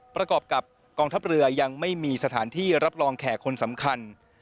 ประกอบกับกองทัพเรือยังไม่มีสถานที่รับรองแขกคนสำคัญ